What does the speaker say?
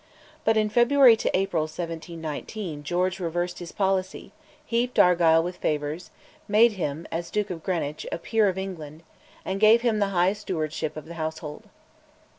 But in February April 1719 George reversed his policy, heaped Argyll with favours, made him, as Duke of Greenwich, a peer of England, and gave him the High Stewardship of the Household.